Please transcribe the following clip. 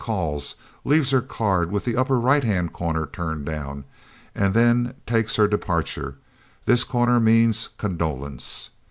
calls, leaves her card with the upper right hand corner turned down, and then takes her departure; this corner means "Condolence."